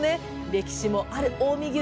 歴史もある近江牛